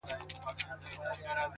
که نور څوک نسته سته څه يې کوې شېرينې!!